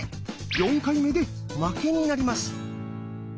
４回目で負けになります。